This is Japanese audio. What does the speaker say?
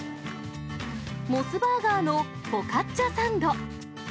モスバーガーのフォカッチャサンド。